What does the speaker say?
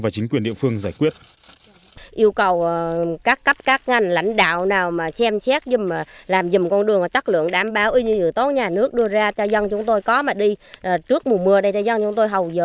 chính năng và chính quyền địa phương giải quyết